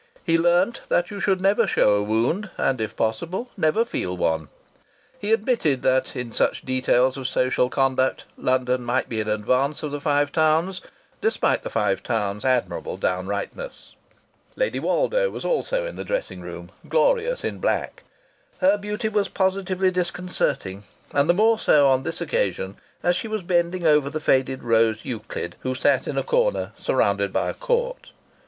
He learnt that you should never show a wound, and if possible never feel one. He admitted that in such details of social conduct London might be in advance of the Five Towns, despite the Five Towns' admirable downrightness. Lady Woldo was also in the dressing room, glorious in black. Her beauty was positively disconcerting, and the more so on this occasion as she was bending over the faded Rose Euclid, who sat in a corner surrounded by a court.